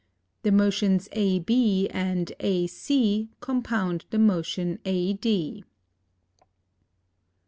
The motions AB & AC compound the motion AD.